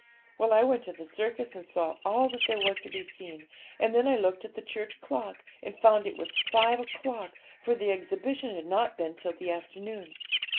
Well, I went to the circus and saw all that there was to be seen; and then I looked at the church clock, and found it was five o'clock, for the exhibition had not been till the afternoon.